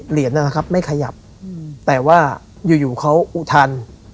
เหรียญนั่นแหละครับไม่ขยับอืมแต่ว่าอยู่อยู่เขาอุทัน